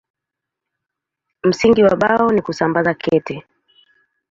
Msingi wa Bao ni kusambaza kete.